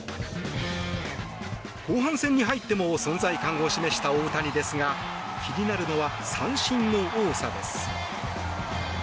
後半戦に入っても存在感を示した大谷ですが気になるのは三振の多さです。